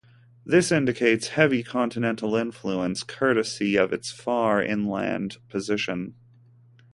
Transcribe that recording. This indicates heavy continental influence courtesy of its far inland position.